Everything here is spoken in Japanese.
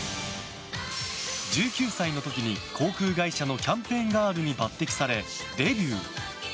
１９歳の時に航空会社のキャンペーンガールに抜擢されデビュー！